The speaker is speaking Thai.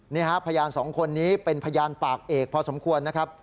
นี่ฮะพยานสองคนนี้เป็นพยานปากเอกพอสมควรนะครับ